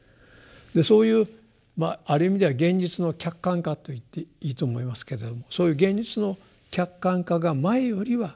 そういうある意味では現実の客観化と言っていいと思いますけれどもそういう現実の客観化が前よりは進むと。